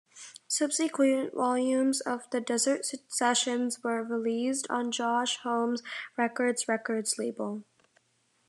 Subsequent volumes of The Desert Sessions were released on Josh Homme's Rekords Rekords label.